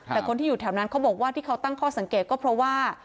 แต่คนที่อยู่แถวนั้นเขาบอกว่าที่เขาตั้งข้อสังเกตก็เพราะว่า